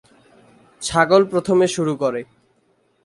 ছাগল প্রথমে শুরু করে।